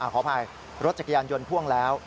ขออภัยรถจักรยานยนต์พ่วงแล้ว